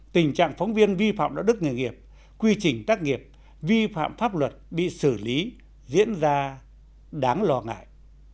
tình trạng phóng viên vi phạm đạo đức nghề nghiệp quy trình tác nghiệp vi phạm pháp luật bị xử lý diễn ra đáng lo ngại